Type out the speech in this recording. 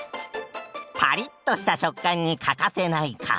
パリッとした食感に欠かせない皮。